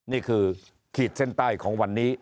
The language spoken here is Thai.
นี่คือขีดเส้นใต้ของวันนี้